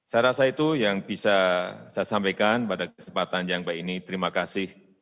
saya rasa itu yang bisa saya sampaikan pada kesempatan yang baik ini terima kasih